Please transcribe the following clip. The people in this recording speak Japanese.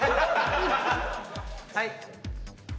はい。